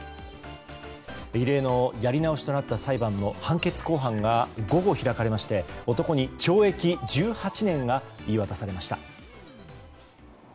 異例のやり直しとなった裁判の判決公判が午後、開かれまして男に懲役１８年が言い渡されました。